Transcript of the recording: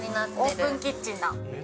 オープンキッチンだ。